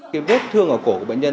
cái vết thương ở cổ của bệnh nhân